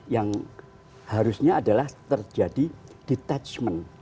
yang harusnya adalah terjadi detachment